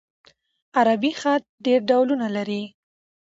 عربي خط ډېر ډولونه لري.